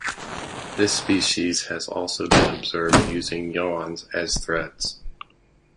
This species has also been observed using yawns as threats.